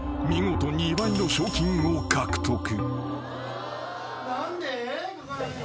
［見事２倍の賞金を獲得］